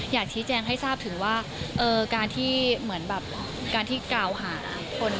อยากชี้แจงให้ทราบถึงว่าการที่เหมือนแบบการที่กล่าวหาคน